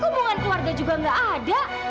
hubungan keluarga juga nggak ada